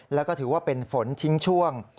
แล้วก็ถือว่าเป็นฝนทิ้งช่วง